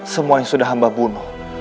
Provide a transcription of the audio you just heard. semua yang sudah hamba bunuh